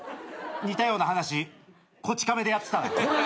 似たような話『こち亀』でやってたな。